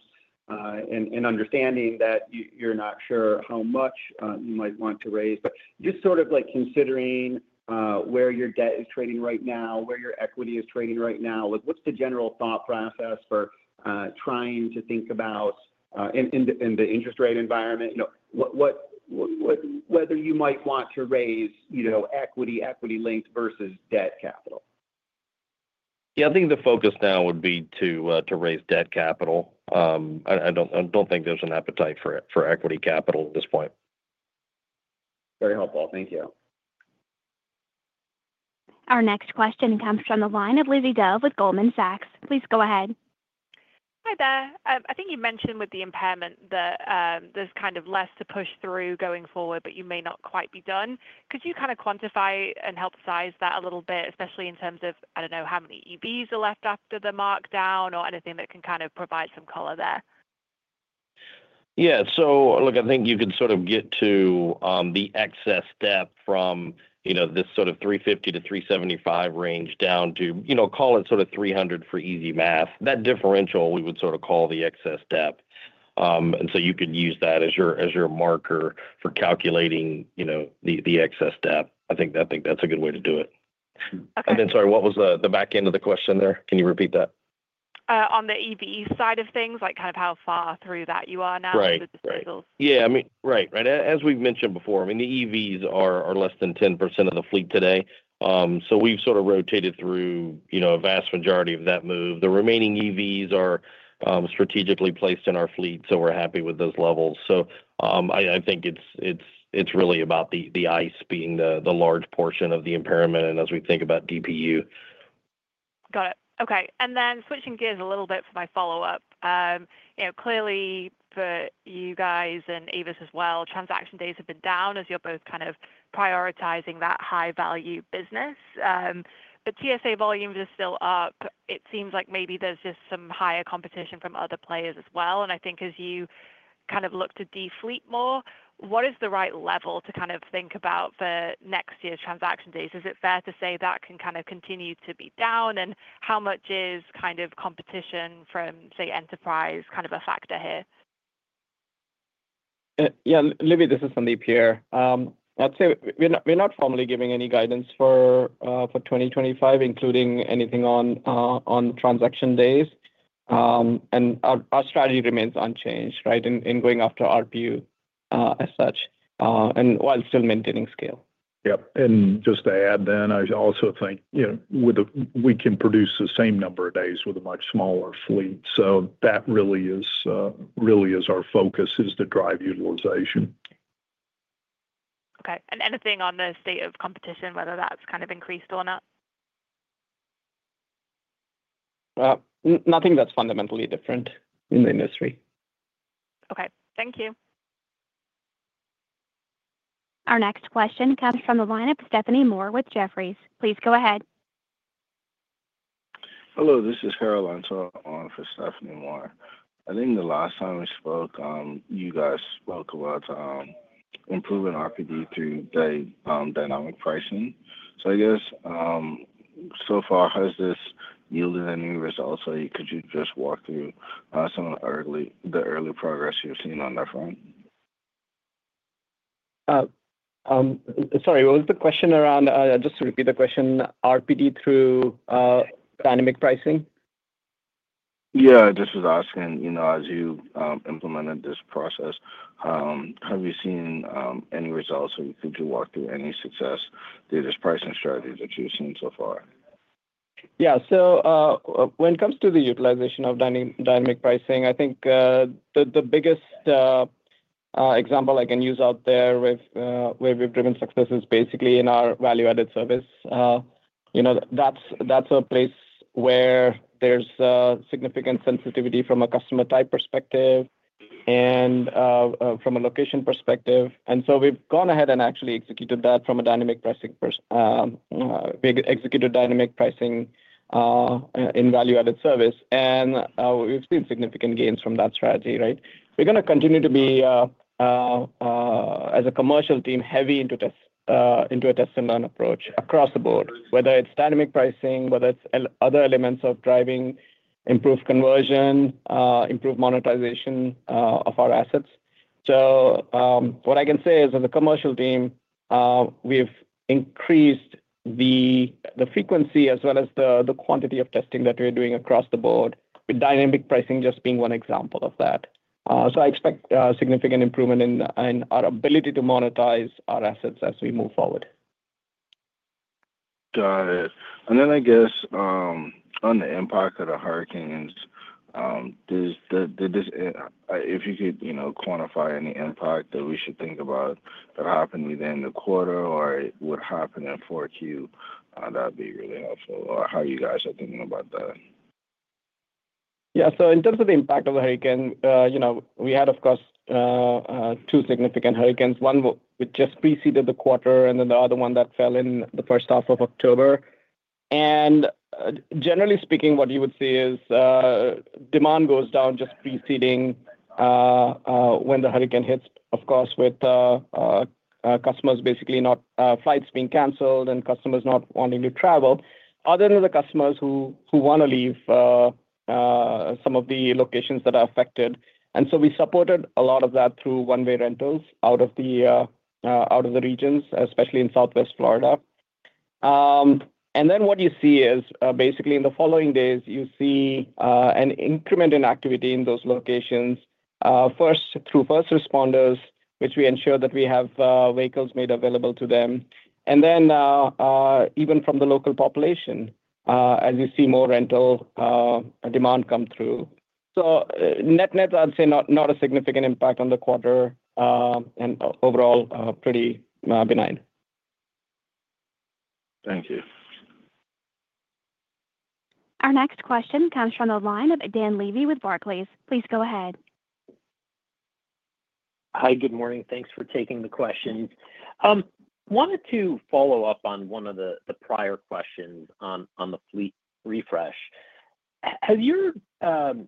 and understanding that you're not sure how much you might want to raise. But just sort of considering where your debt is trading right now, where your equity is trading right now, what's the general thought process for trying to think about in the interest rate environment, whether you might want to raise equity, equity linked versus debt capital? Yeah. I think the focus now would be to raise debt capital. I don't think there's an appetite for equity capital at this point. Very helpful. Thank you. Our next question comes from the line of Lizzie Dove with Goldman Sachs. Please go ahead. Hi there. I think you mentioned with the impairment that there's kind of less to push through going forward, but you may not quite be done. Could you kind of quantify and help size that a little bit, especially in terms of, I don't know, how many EVs are left after the markdown or anything that can kind of provide some color there? Yeah. So look, I think you could sort of get to the excess debt from this sort of 350 to 375 range down to call it sort of 300 for easy math. That differential, we would sort of call the excess debt. And so you could use that as your marker for calculating the excess debt. I think that's a good way to do it. And then sorry, what was the back end of the question there? Can you repeat that? On the EV side of things, like kind of how far through that you are now with the vehicles? Right. Yeah. I mean, right. Right. As we've mentioned before, I mean, the EVs are less than 10% of the fleet today. So we've sort of rotated through a vast majority of that move. The remaining EVs are strategically placed in our fleet, so we're happy with those levels. So I think it's really about the ICE being the large portion of the impairment and as we think about DPU. Got it. Okay. And then switching gears a little bit for my follow-up. Clearly, for you guys and Avis as well, transaction days have been down as you're both kind of prioritizing that high-value business. But TSA volumes are still up. It seems like maybe there's just some higher competition from other players as well. And I think as you kind of look to defleet more, what is the right level to kind of think about for next year's transaction days? Is it fair to say that can kind of continue to be down? And how much is kind of competition from, say, Enterprise kind of a factor here? Yeah. Lizzie, this is Sandeep here. I'd say we're not formally giving any guidance for 2025, including anything on transaction days. And our strategy remains unchanged, right, in going after RPU as such while still maintaining scale. Yep, and just to add then, I also think we can produce the same number of days with a much smaller fleet, so that really is our focus is to drive utilization. Okay, and anything on the state of competition, whether that's kind of increased or not? Nothing that's fundamentally different in the industry. Okay. Thank you. Our next question comes from the line of Stephanie Moore with Jefferies. Please go ahead. Hello. This is Harold Antor for Stephanie Moore. I think the last time we spoke, you guys spoke about improving RPV through dynamic pricing. So I guess so far, has this yielded any results? Or could you just walk through some of the early progress you've seen on that front? Sorry. What was the question around? Just to repeat the question, RPD through dynamic pricing? Yeah. Just was asking, as you implemented this process, have you seen any results? Or could you walk through any success through this pricing strategy that you've seen so far? Yeah. So when it comes to the utilization of dynamic pricing, I think the biggest example I can use out there where we've driven success is basically in our value-added service. That's a place where there's significant sensitivity from a customer type perspective and from a location perspective. And so we've gone ahead and actually executed that from a dynamic pricing perspective. We executed dynamic pricing in value-added service. And we've seen significant gains from that strategy, right? We're going to continue to be, as a commercial team, heavy into a test and learn approach across the board, whether it's dynamic pricing, whether it's other elements of driving improved conversion, improved monetization of our assets. So what I can say is, as a commercial team, we've increased the frequency as well as the quantity of testing that we're doing across the board, with dynamic pricing just being one example of that. So I expect significant improvement in our ability to monetize our assets as we move forward. Got it. And then I guess on the impact of the hurricanes, if you could quantify any impact that we should think about that happened within the quarter or it would happen in 4Q, that'd be really helpful. Or how you guys are thinking about that? Yeah. So in terms of the impact of the hurricane, we had, of course, two significant hurricanes. One which just preceded the quarter and then the other one that fell in the first half of October. And generally speaking, what you would see is demand goes down just preceding when the hurricane hits, of course, with customers basically not flights being canceled and customers not wanting to travel, other than the customers who want to leave some of the locations that are affected. And so we supported a lot of that through one-way rentals out of the regions, especially in Southwest Florida. And then what you see is basically in the following days, you see an increment in activity in those locations, first through first responders, which we ensure that we have vehicles made available to them. Then even from the local population, as you see more rental demand come through. Net-net, I'd say not a significant impact on the quarter, and overall pretty benign. Thank you. Our next question comes from the line of Dan Levy with Barclays. Please go ahead. Hi. Good morning. Thanks for taking the question. Wanted to follow up on one of the prior questions on the fleet refresh. Has the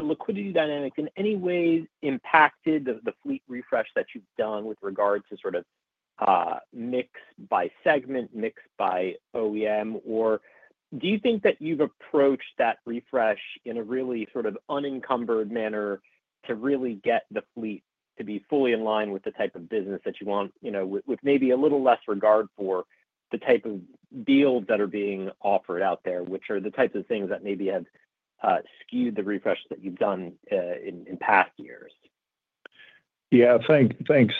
liquidity dynamic in any way impacted the fleet refresh that you've done with regard to sort of mix by segment, mix by OEM? Or do you think that you've approached that refresh in a really sort of unencumbered manner to really get the fleet to be fully in line with the type of business that you want, with maybe a little less regard for the type of deals that are being offered out there, which are the types of things that maybe have skewed the refresh that you've done in past years? Yeah. Thanks,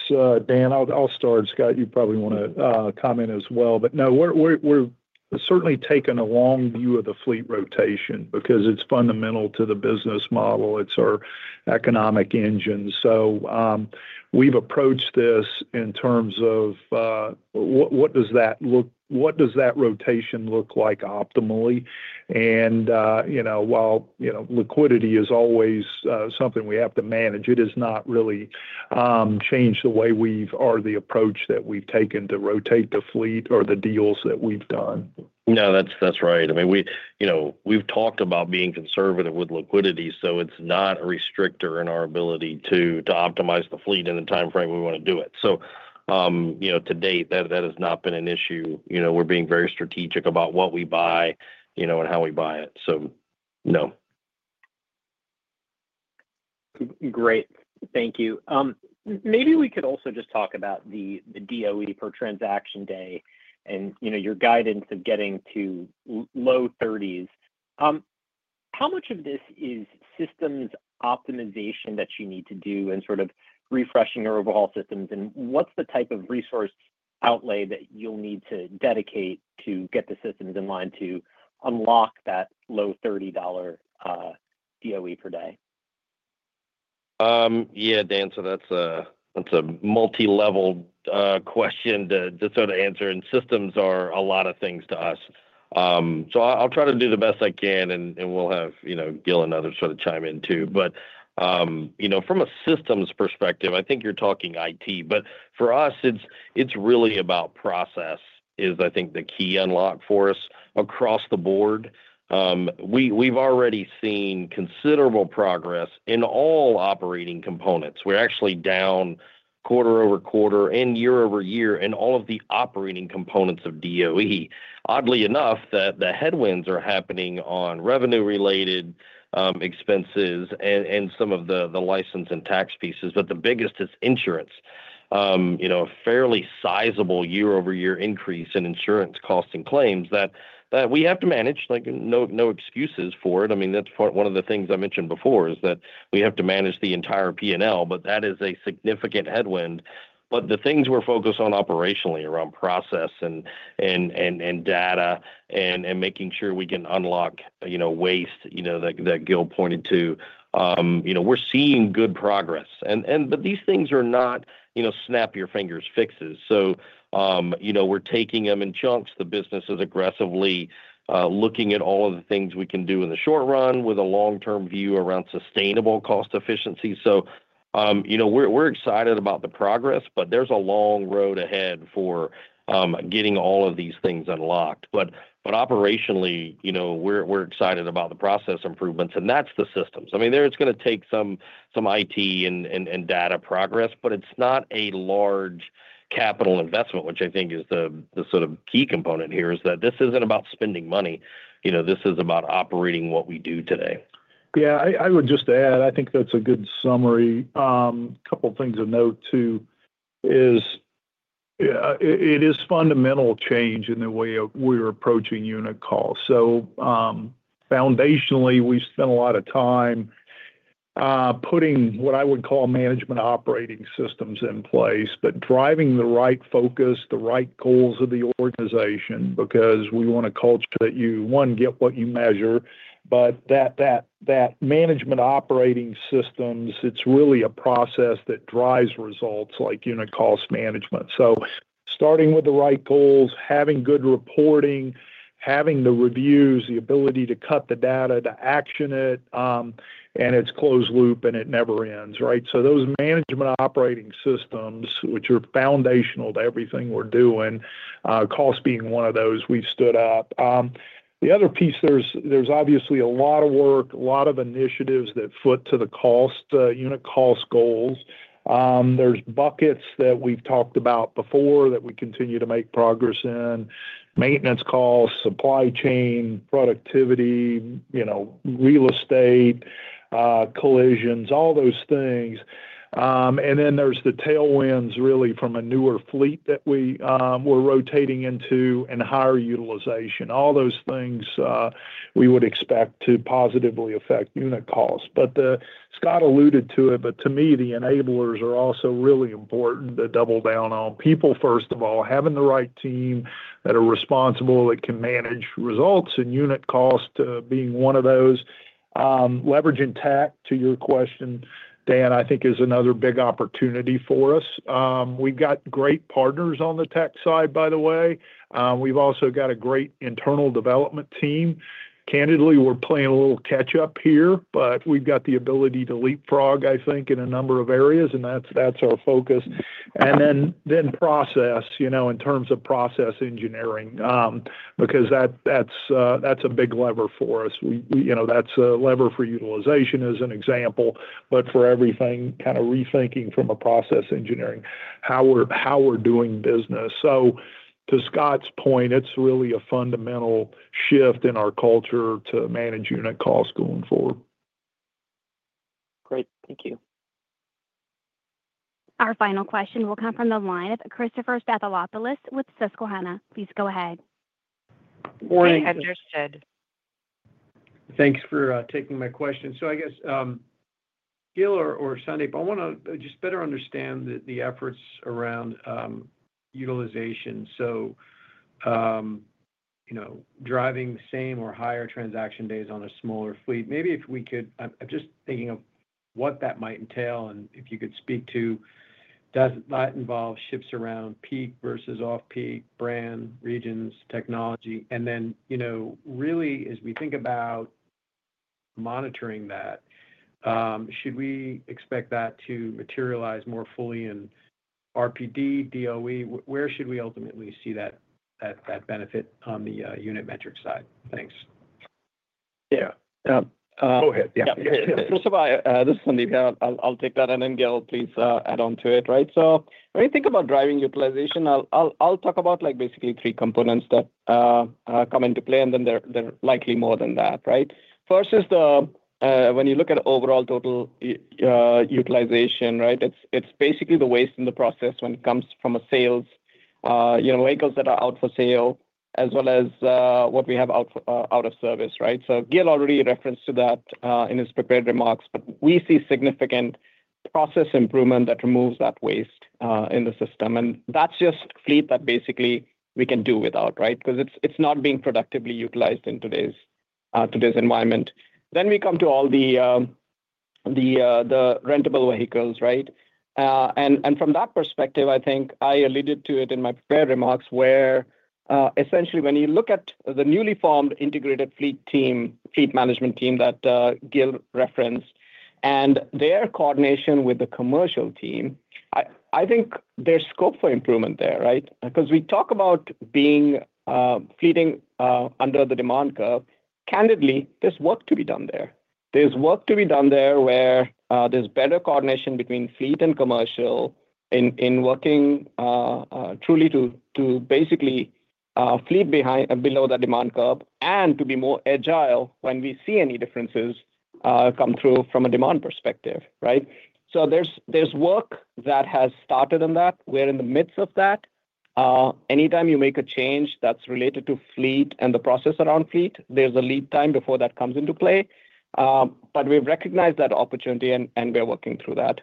Dan. I'll start. Scott, you probably want to comment as well. But no, we've certainly taken a long view of the fleet rotation because it's fundamental to the business model. It's our economic engine. So we've approached this in terms of what does that rotation look like optimally? And while liquidity is always something we have to manage, it has not really changed the way we've, or the approach that we've taken to rotate the fleet or the deals that we've done. No, that's right. I mean, we've talked about being conservative with liquidity. So it's not a restrictor in our ability to optimize the fleet in the time frame we want to do it. So to date, that has not been an issue. We're being very strategic about what we buy and how we buy it. So no. Great. Thank you. Maybe we could also just talk about the DOE per transaction day and your guidance of getting to low 30s. How much of this is systems optimization that you need to do in sort of refreshing your overall systems? And what's the type of resource outlay that you'll need to dedicate to get the systems in line to unlock that low $30 DOE per day? Yeah, Dan, so that's a multi-level question to sort of answer, and systems are a lot of things to us. So I'll try to do the best I can, and we'll have Gil and others sort of chime in too. But from a systems perspective, I think you're talking IT. But for us, it's really about process is, I think, the key unlock for us across the board. We've already seen considerable progress in all operating components. We're actually down quarter over quarter and year over year in all of the operating components of DOE. Oddly enough, the headwinds are happening on revenue-related expenses and some of the license and tax pieces. But the biggest is insurance. A fairly sizable year-over-year increase in insurance costs and claims that we have to manage. No excuses for it. I mean, that's one of the things I mentioned before is that we have to manage the entire P&L, but that is a significant headwind. But the things we're focused on operationally around process and data and making sure we can unlock waste that Gil pointed to, we're seeing good progress. But these things are not snap-your-fingers fixes. So we're taking them in chunks. The business is aggressively looking at all of the things we can do in the short run with a long-term view around sustainable cost efficiency. So we're excited about the progress, but there's a long road ahead for getting all of these things unlocked. But operationally, we're excited about the process improvements, and that's the systems. I mean, there, it's going to take some IT and data progress, but it's not a large capital investment, which I think is the sort of key component here, is that this isn't about spending money. This is about operating what we do today. Yeah. I would just add, I think that's a good summary. A couple of things to note too is, it is fundamental change in the way we're approaching unit costs. So foundationally, we spent a lot of time putting what I would call management operating systems in place, but driving the right focus, the right goals of the organization because we want a culture that you, one, get what you measure. But that management operating systems, it's really a process that drives results like unit cost management. So starting with the right goals, having good reporting, having the reviews, the ability to cut the data to action it, and it's closed loop and it never ends, right? So those management operating systems, which are foundational to everything we're doing, cost being one of those, we've stood up. The other piece, there's obviously a lot of work, a lot of initiatives that go to the cost unit cost goals. There's buckets that we've talked about before that we continue to make progress in: maintenance costs, supply chain, productivity, real estate, collisions, all those things. And then there's the tailwinds really from a newer fleet that we're rotating into and higher utilization. All those things we would expect to positively affect unit costs. But Scott alluded to it, but to me, the enablers are also really important to double down on. People, first of all, having the right team that are responsible, that can manage results and unit costs being one of those. Leveraging tech, to your question, Dan, I think is another big opportunity for us. We've got great partners on the tech side, by the way. We've also got a great internal development team. Candidly, we're playing a little catch-up here, but we've got the ability to leapfrog, I think, in a number of areas, and that's our focus, and then process, in terms of process engineering, because that's a big lever for us. That's a lever for utilization as an example, but for everything, kind of rethinking from a process engineering, how we're doing business, so to Scott's point, it's really a fundamental shift in our culture to manage unit costs going forward. Great. Thank you. Our final question will come from the line of Christopher Stathoulopoulos with Susquehanna. Please go ahead. Thanks for taking my question. So I guess Gil or Sandeep, I want to just better understand the efforts around utilization. So driving the same or higher transaction days on a smaller fleet, maybe if we could, I'm just thinking of what that might entail and if you could speak to, does that involve shifts around peak versus off-peak, brand, regions, technology? And then really, as we think about monitoring that, should we expect that to materialize more fully in RPD, DOE? Where should we ultimately see that benefit on the unit metric side? Thanks. First of all, this is Sandeep here. I'll take that. And then Gil, please add on to it, right? So when you think about driving utilization, I'll talk about basically three components that come into play, and then there are likely more than that, right? First is when you look at overall total utilization, right? It's basically the waste in the process when it comes from a sales, vehicles that are out for sale, as well as what we have out of service, right? So Gil already referenced to that in his prepared remarks, but we see significant process improvement that removes that waste in the system. And that's just fleet that basically we can do without, right? Because it's not being productively utilized in today's environment. Then we come to all the rentable vehicles, right? And from that perspective, I think I alluded to it in my prepared remarks where essentially when you look at the newly formed integrated fleet team, fleet management team that Gil referenced, and their coordination with the commercial team, I think there's scope for improvement there, right? Because we talk about fleeting under the demand curve. Candidly, there's work to be done there. There's work to be done there where there's better coordination between fleet and commercial in working truly to basically fleet below the demand curve and to be more agile when we see any differences come through from a demand perspective, right? So there's work that has started on that. We're in the midst of that. Anytime you make a change that's related to fleet and the process around fleet, there's a lead time before that comes into play. But we've recognized that opportunity, and we're working through that.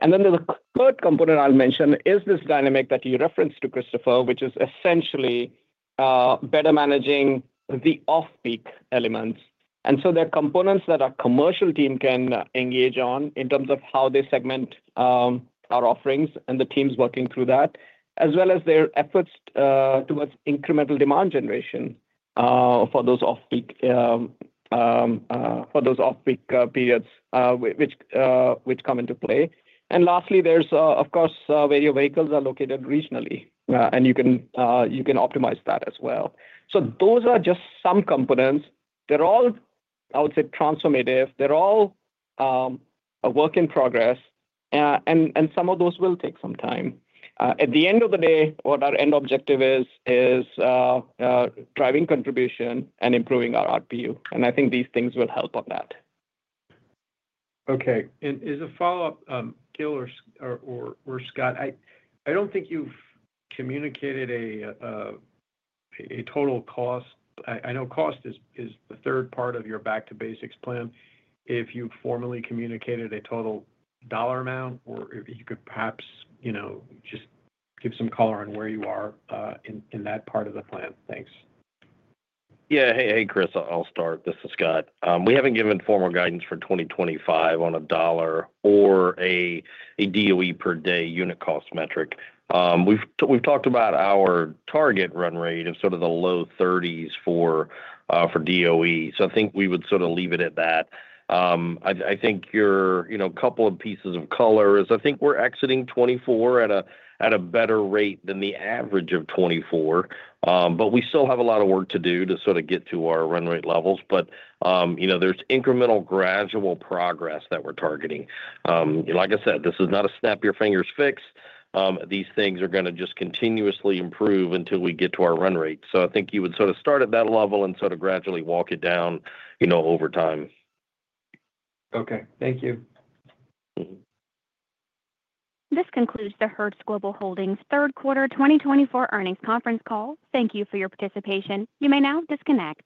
And then the third component I'll mention is this dynamic that you referenced to Christopher, which is essentially better managing the off-peak elements. And so there are components that our commercial team can engage on in terms of how they segment our offerings and the teams working through that, as well as their efforts towards incremental demand generation for those off-peak periods which come into play. And lastly, there's, of course, where your vehicles are located regionally, and you can optimize that as well. So those are just some components. They're all, I would say, transformative. They're all a work in progress. And some of those will take some time. At the end of the day, what our end objective is driving contribution and improving our RPU. And I think these things will help on that. Okay. And as a follow-up, Gil or Scott, I don't think you've communicated a total cost. I know cost is the third part of your back-to-basics plan. If you've formally communicated a total dollar amount, or if you could perhaps just give some color on where you are in that part of the plan? Thanks. Yeah. Hey, Chris, I'll start. This is Scott. We haven't given formal guidance for 2025 on a dollar or a DOE per day unit cost metric. We've talked about our target run rate of sort of the low 30s for DOE. So I think we would sort of leave it at that. I think a couple of pieces of color is I think we're exiting 2024 at a better rate than the average of 2024. But we still have a lot of work to do to sort of get to our run rate levels. But there's incremental gradual progress that we're targeting. Like I said, this is not a snap-your-fingers fix. These things are going to just continuously improve until we get to our run rate. So I think you would sort of start at that level and sort of gradually walk it down over time. Okay. Thank you. This concludes the Hertz Global Holdings third quarter 2024 earnings conference call. Thank you for your participation. You may now disconnect.